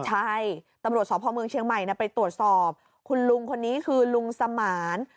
ใช่ตำรวจสพเมืองเชียงใหม่ไปตรวจสอบคุณลุงคนนี้คือลุงสมาน